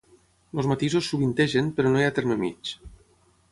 Els matisos sovintegen, però no hi ha terme mig.